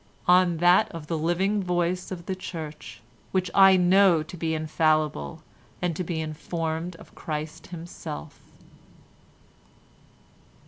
"On that of the living voice of the Church, which I know to be infallible and to be informed of Christ himself."